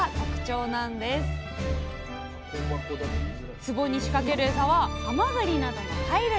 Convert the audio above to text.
つぼに仕掛けるエサはハマグリなどの貝類。